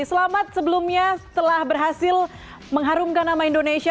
selamat sebelumnya telah berhasil mengharumkan nama indonesia